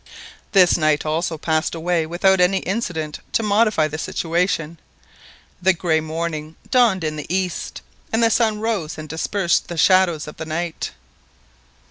This night also passed away without any incident to modify the situation. The grey morning dawned in the east, and the sun rose and dispersed the shadows of the night.